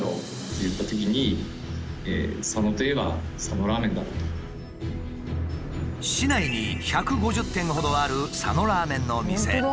まず市内に１５０店ほどある佐野ラーメンの店。